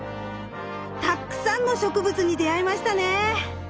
たくさんの植物に出会えましたね。